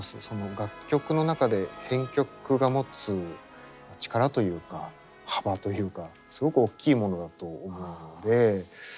その楽曲の中で編曲が持つ力というか幅というかすごくおっきいものだと思うので。